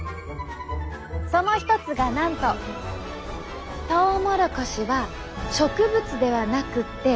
その一つがなんとトウモロコシは植物ではなくって。